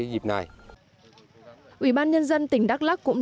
ủy ban nhân dân tỉnh đắk lắc cũng đảm bảo chức năng ra thuốc thông kê đánh giá thiệt hại